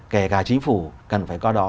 kể cả chính phủ cần phải coi đó